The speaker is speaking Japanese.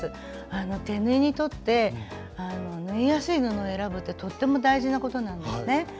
手縫いにとって縫いやすい布を選ぶってとっても大事なことなんですね。